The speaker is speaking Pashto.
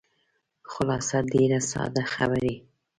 خلاصه ډېرې ساده خبرې.